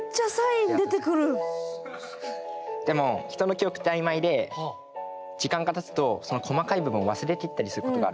でも人の記憶って曖昧で時間がたつとその細かい部分を忘れていったりすることがあるんです。